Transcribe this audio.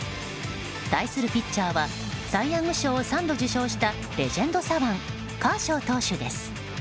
対するピッチャーはサイ・ヤング賞を３度受賞したレジェンド左腕カーショー投手です。